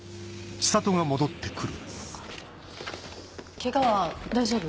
ケガは大丈夫？